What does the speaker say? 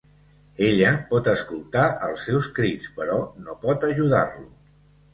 Ella pot escoltar els seus crits, però no pot ajudar-lo.